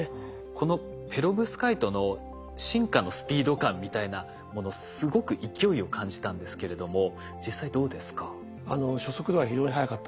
このペロブスカイトの進化のスピード感みたいなものすごく勢いを感じたんですけれども実際どうですか？